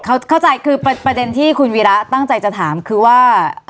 เขาเข้าใจคือประเด็นที่คุณวีระตั้งใจจะถามคือว่า